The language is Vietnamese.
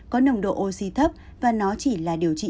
có nồng độ oxy thấp và nó chỉ là điều trị